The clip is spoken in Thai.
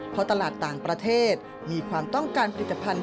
เพราะตลาดต่างประเทศมีความต้องการผลิตภัณฑ